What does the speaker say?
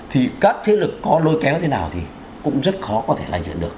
thì các thế lực có lôi kéo thế nào thì cũng rất khó có thể lành chuyển được